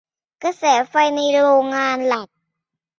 กระแสไฟในโรงงานหลัก